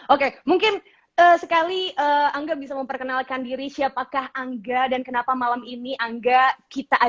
oke mungkin sekali angga bisa memperkenalkan diri siapakah angga dan kenapa malam ini angga kita ajak live di akun tiktok ini